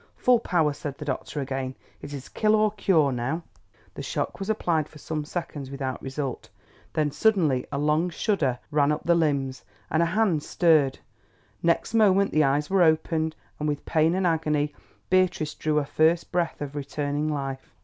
"Full power," said the doctor again. "It is kill or cure now." The shock was applied for some seconds without result. Then suddenly a long shudder ran up the limbs, and a hand stirred. Next moment the eyes were opened, and with pain and agony Beatrice drew a first breath of returning life.